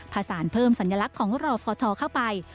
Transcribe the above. ผสานเพิ่มสัญลักษณ์ของรอฟทเข้าไป